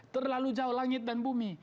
terlalu jauh langit dan bumi